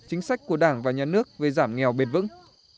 chính sách của đảng và nhà nước về giảm nghèo bền vững